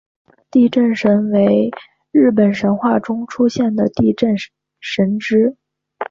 地震神为日本神话中出现的地震神只。